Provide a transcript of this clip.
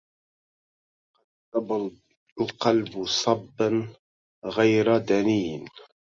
قد صبا القلب صبا غير دني